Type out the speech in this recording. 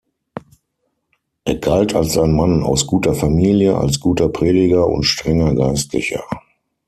Er galt als ein Mann aus guter Familie, als guter Prediger und strenger Geistlicher.